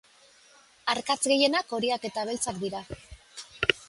Arkatza gehienak horiak eta beltzak dira